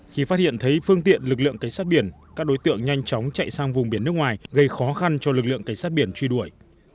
khi phát hiện thấy phương tiện lực lượng cảnh sát biển các đối tượng nhanh chóng chạy sang vùng biển nước ngoài gây khó khăn cho lực lượng cảnh sát biển truy đuổi